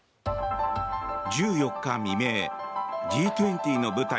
１４日未明、Ｇ２０の舞台